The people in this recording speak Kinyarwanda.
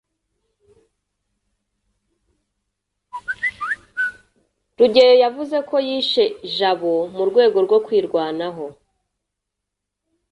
rugeyo yavuze ko yishe jabo mu rwego rwo kwirwanaho